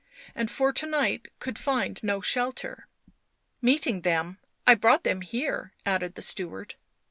" And for to night could find no shelter." " Meeting them I brought them here," added the steward.